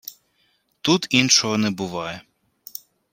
Тут іншого не буває